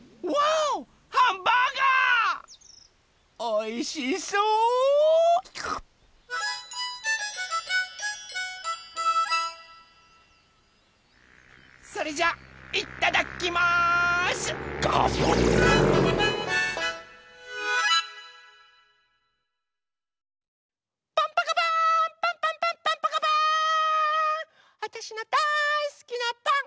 わたしのだいすきなパン。